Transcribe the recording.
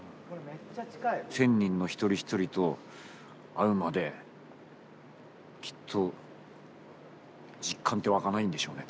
１，０００人の一人一人と会うまできっと実感って湧かないんでしょうね